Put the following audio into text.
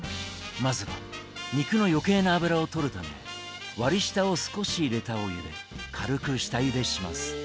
まずは肉の余計な脂をとるため割り下を少し入れたお湯で軽く下ゆでします。